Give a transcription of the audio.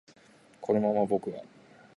このまま僕は